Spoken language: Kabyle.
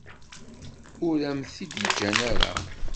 Ur am-t-id-ǧǧan ara.